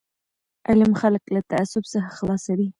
علم خلک له تعصب څخه خلاصوي.